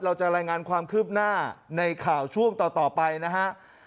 เราจะรายงานความคืบหน้าในข่าวช่วงต่อไปนะฮะ